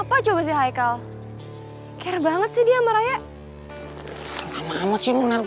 apa coba hai kalau kira banget sih dia meraya cium